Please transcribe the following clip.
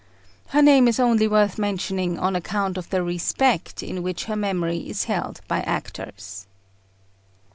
Her name is only worth mentioning on account of the respect in which her memory is held by actors.